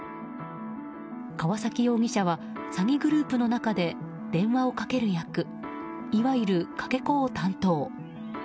川崎容疑者は詐欺グループの中で電話をかける役いわゆる、かけ子を担当。